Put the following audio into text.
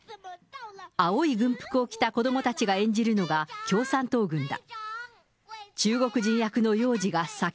青い軍服を着た子どもたちが演じるのが共産党軍だ。